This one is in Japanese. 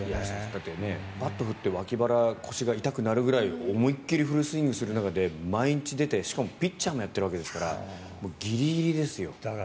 だって、バットを振って脇腹、腰が痛くなるくらい思いっきりフルスイングする中で毎日出てしかもピッチャーもやってるわけですからギリギリですよ。